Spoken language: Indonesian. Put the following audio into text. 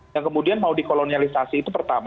yang kemudian mau dikolonialisasi itu pertama